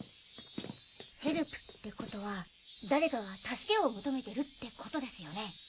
「ヘルプ」ってことは誰かが助けを求めてるってことですよね？